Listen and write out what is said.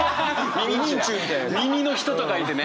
「耳の人」と書いてね！